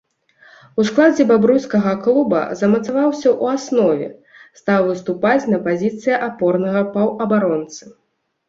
У складзе бабруйскага клуба замацаваўся ў аснове, стаў выступаць на пазіцыі апорнага паўабаронцы.